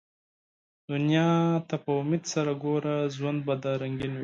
دنیا ته په امېد سره ګوره ، ژوند به دي رنګین وي